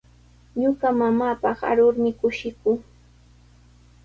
Ñuqa mamaapaq arurmi kushikuu.